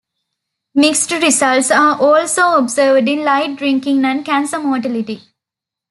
Mixed results are also observed in light drinking and cancer mortality.